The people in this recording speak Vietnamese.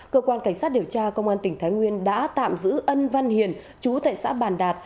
cơ quan cảnh sát điều tra công an tỉnh thái nguyên đã tạm giữ ân văn hiền chú tại xã bàn đạt